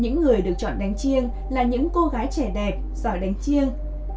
những người được chọn đánh chiêng là những cô gái trẻ đẹp giỏi đánh chiêng